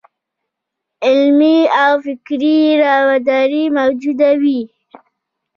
علمي او فکري راوداري موجوده وي.